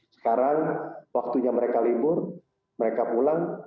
sekarang waktunya mereka libur mereka pulang